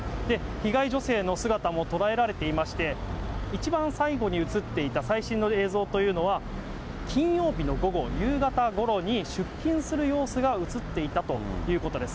被害女性の姿も捉えられていまして、一番最後に写っていた、最新の映像というのは、金曜日の午後、夕方ごろに出勤する様子が写っていたということです。